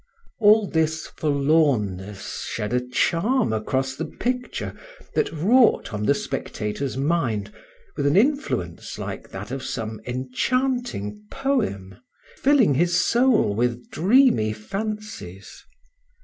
All this forlornness shed a charm across the picture that wrought on the spectator's mind with an influence like that of some enchanting poem, filling his soul with dreamy fancies.